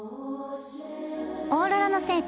オーロラの聖地